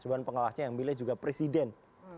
dewan pengawasnya yang milih juga presiden